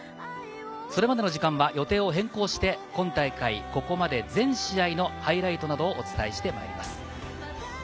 それまでの時間は予定を変更して、今大会ここまで全試合のハイライトなどをお伝えしてまいります。